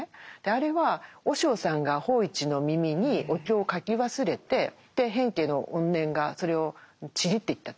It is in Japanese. あれは和尚さんが芳一の耳にお経を書き忘れて平家の怨念がそれをちぎっていったと。